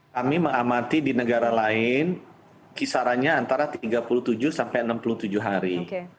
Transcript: kami mengamati di negara lain kisarannya antara tiga puluh tujuh sampai enam puluh tujuh hari